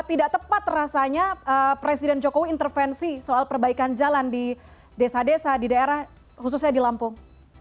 tidak tepat rasanya presiden jokowi intervensi soal perbaikan jalan di desa desa di daerah khususnya di lampung